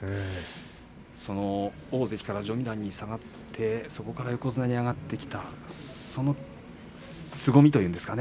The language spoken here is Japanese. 大関から序二段に下がってそこから横綱に上がってきたそのすごみというんでしょうか。